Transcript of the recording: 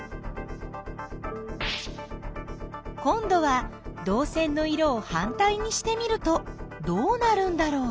こんどはどう線の色をはんたいにしてみるとどうなるんだろう？